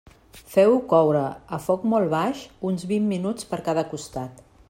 Feu-ho coure, a foc molt baix, uns vint minuts per cada costat.